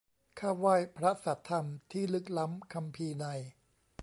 ข้าไหว้พระสะธรรม ที่ลึกล้ำคัมภีร์ใน